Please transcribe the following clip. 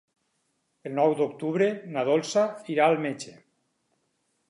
El nou d'octubre na Dolça irà al metge.